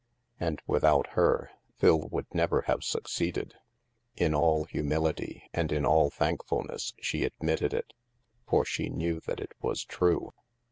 And without her, Phil would never have suc ceeded. In all humility and in all thankfulness she admitted it, for she knew that it was true.